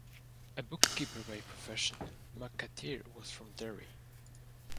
A bookkeeper by profession, McAteer was from Derry.